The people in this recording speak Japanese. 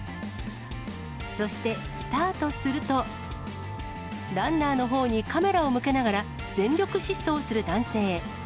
そして、スタートすると、ランナーのほうにカメラを向けながら、全力疾走する男性。